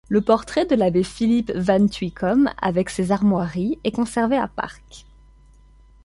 Le portrait de l'abbé Philippe van Tuycom avec ses armoiries est conservé à Parc.